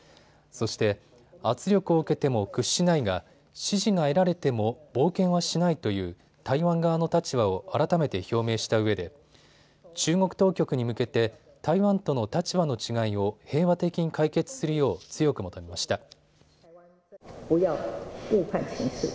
そして圧力を受けても屈しないが支持が得られても冒険はしないという台湾側の立場を改めて表明したうえで中国当局に向けて台湾との立場の違いを平和的に解決するよう強く求めました。